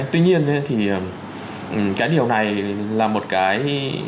tuy nhiên thì cái điều này là một cái